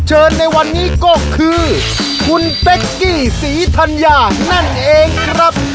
โอ้โหไม่เจอกันตั้งนานนะครับ